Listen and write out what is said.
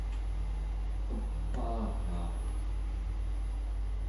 epaaraa